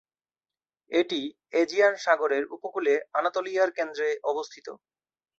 এটি এজিয়ান সাগরের উপকূলে আনাতোলিয়ার কেন্দ্রে অবস্থিত।